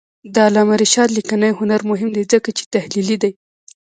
د علامه رشاد لیکنی هنر مهم دی ځکه چې تحلیلي دی.